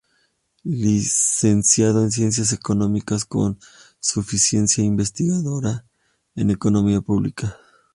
Licenciado en Ciencias Económicas, con suficiencia Investigadora en Economía Pública.